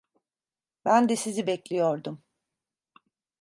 Ben de sizi bekliyordum.